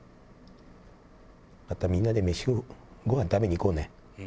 またみんなでごはん食べに行こうね。